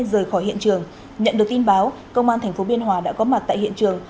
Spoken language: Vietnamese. rời khỏi hiện trường nhận được tin báo công an tp biên hòa đã có mặt tại hiện trường